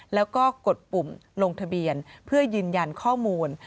แล้วก็กดปุ่มลงทะเบียนเพื่อยืนยันข้อมูล